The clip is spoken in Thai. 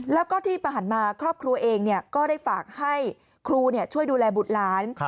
แล้วก็ที่ผ่านมาครอบครัวเองก็ได้ฝากให้ครูช่วยดูแลบุตรหลาน